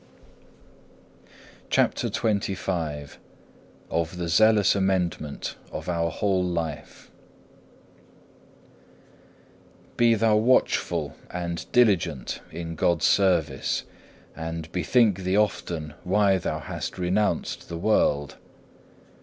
(1) Wisd. v. 1. CHAPTER XXV Of the zealous amendment of our whole life Be thou watchful and diligent in God's service, and bethink thee often why thou hast renounced the world.